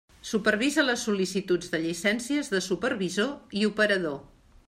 Supervisa les sol·licituds de llicències de supervisor i operador.